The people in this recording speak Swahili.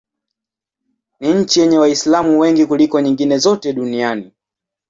Ni nchi yenye Waislamu wengi kuliko nyingine zote duniani.